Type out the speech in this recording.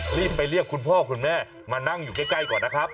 รีบไปเรียกคุณพ่อคุณแม่มานั่งอยู่ใกล้ก่อนนะครับ